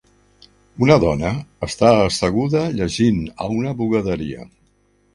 Una dona està asseguda llegint a una bugaderia.